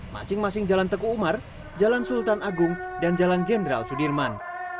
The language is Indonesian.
masing masing jalan teguh umar jalan sultan agung dan jalan jenderal sudirman